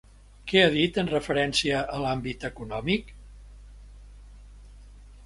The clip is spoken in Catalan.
Què ha dit en referència a l'àmbit econòmic?